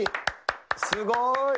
すごい。